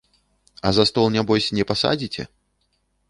А за стол нябось не пасадзіце?